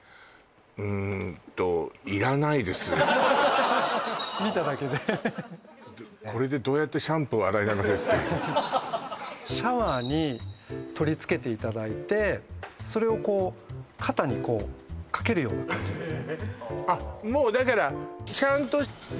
うーんと見ただけでこれでどうやってシャンプーを洗い流せっていうシャワーに取り付けていただいてそれをこう肩にこうかけるような感じであっもうだからちゃんと何？